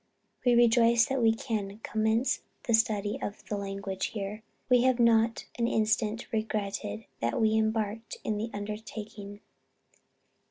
We rejoice that we can commence the study of the language here. We have not for an instant regretted that we embarked in the undertaking."